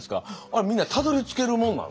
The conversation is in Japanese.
あれみんなたどりつけるもんなんですか。